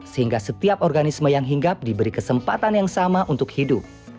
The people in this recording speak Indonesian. sehingga setiap organisme yang hinggap diberi kesempatan yang sama untuk hidup